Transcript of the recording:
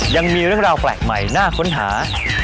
ยังมีเรื่องราวแปลกใหม่น่าค้นหา